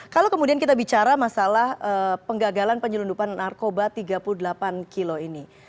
kalau kemudian kita bicara masalah penggagalan penyelundupan narkoba tiga puluh delapan kilo ini